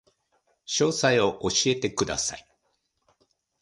詳細を教えてください